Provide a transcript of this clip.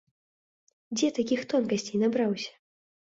Дзе такіх тонкасцей набраўся?